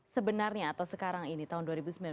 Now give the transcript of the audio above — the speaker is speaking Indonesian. sebenarnya atau sekarang ini tahun dua ribu sembilan belas